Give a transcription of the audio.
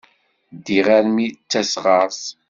Ddiɣ armi d tasɣert.